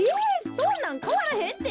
そんなんかわらへんて。